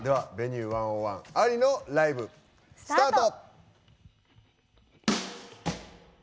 ライブスタート！